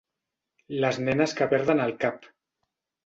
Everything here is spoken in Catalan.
Les nenes que perden el cap.